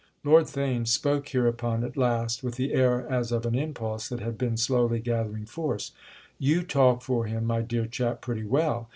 Lord Theign spoke hereupon at last with the air as of an impulse that had been slowly gathering force. "You talk for him, my dear chap, pretty well.